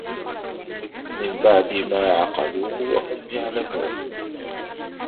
مِنْ بَعْدِ مَا عَقَلُوهُ وَهُمْ يَعْلَمُونَ